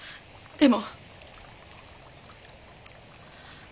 でも。